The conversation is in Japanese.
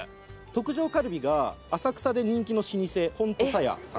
特上カルビが浅草で人気の老舗「本とさや」さん。